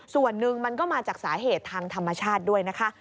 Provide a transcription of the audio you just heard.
ส่วนหนึ่งมันก็มาจากสาเหตุทางธรรมชาติด้วยนะคะ